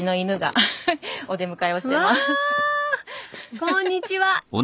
こんにちは。